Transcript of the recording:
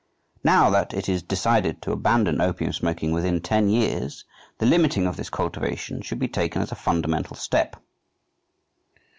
Now that it is decided to abandon opium smoking within ten years, the limiting of this cultivation should be taken as a fundamental step